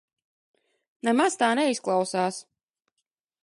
Nemaz tā neizklausās.